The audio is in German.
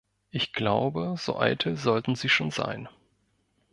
Ich glaube, so eitel sollten sie schon sein.